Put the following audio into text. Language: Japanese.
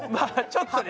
ちょっとね。